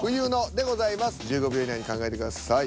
１５秒以内に考えてください。